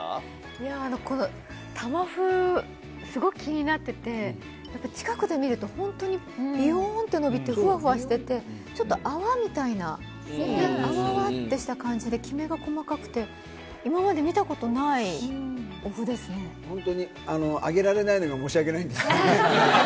いやー、このたま麩、すごく気になってて、やっぱり近くで見ると、本当にびよーんって伸びて、ふわふわしてて、ちょっと泡みたいな、あわあわってした感じで、きめが細かくて、本当にあげられないのが申し訳ないんですけど。